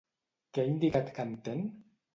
Què ha indicat que entén?